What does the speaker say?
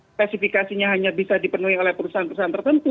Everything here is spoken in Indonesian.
spesifikasinya hanya bisa dipenuhi oleh perusahaan perusahaan tertentu